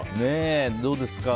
どうですか？